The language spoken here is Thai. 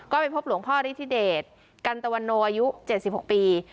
ก็ไปพบหลวงพ่อฤทธิเดชกันตะวันโนอายุ๗๖ปี